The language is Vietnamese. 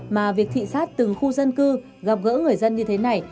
mà việc thị sát từng khu dân cư gặp gỡ người dân như thế này